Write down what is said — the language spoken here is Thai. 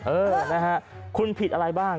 เออนะฮะคุณผิดอะไรบ้าง